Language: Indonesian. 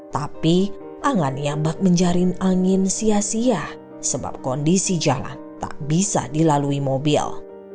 tapi angan yang bak menjaring angin sia sia sebab kondisi jalan tak bisa dilalui mobil